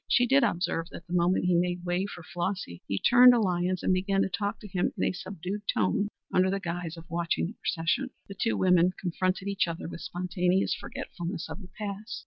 She did observe that the moment he had made way for Flossy he turned to Lyons and began to talk to him in a subdued tone under the guise of watching the procession. The two women confronted each other with spontaneous forgetfulness of the past.